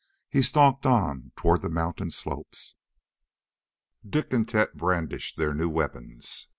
He stalked on toward the mountain slopes. Dik and Tet brandished their new weapons.